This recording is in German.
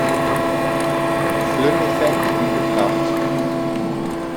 Flynn-Effekt, in Betracht.